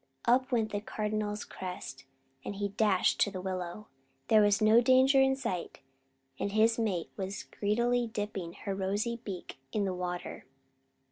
Up went the Cardinal's crest, and he dashed to the willow. There was no danger in sight; and his mate was greedily dipping her rosy beak in the water.